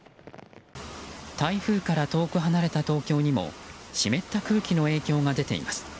台風から遠く離れた東京にも湿った空気の影響が出ています。